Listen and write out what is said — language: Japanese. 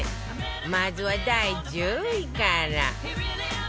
まずは第１０位から